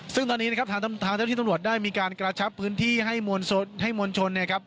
ซึ่งตอนนี้ทางเจ้าที่ตำรวจได้มีการกระชับพื้นที่ให้มวลชน